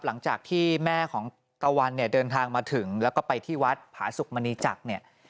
หลังจากที่แม่ของตะวันเนี่ยเดินทางมาถึงแล้วก็ไปที่วัดผาสุกมณีจักรเนี่ย